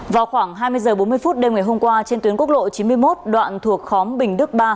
vào khoảng hai mươi h bốn mươi phút đêm ngày hôm qua trên tuyến quốc lộ chín mươi một đoạn thuộc khóm bình đức ba